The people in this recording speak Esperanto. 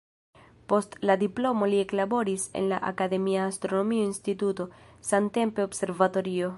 Post la diplomo li eklaboris en la akademia astronomio instituto, samtempe observatorio.